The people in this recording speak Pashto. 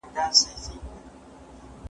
څېړونکی باید د خپلي انشا او املا خیال وساتي.